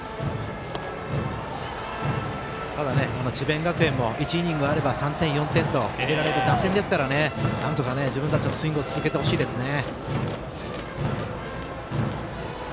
ただ、智弁学園も１イニングあれば３点、４点と入れられる打線ですから、なんとか自分たちのスイングを続けてほしいですね。